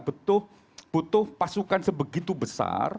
betul butuh pasukan sebegitu besar